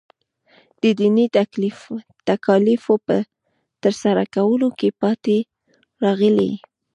د دیني تکالیفو په ترسره کولو کې پاتې راغلی.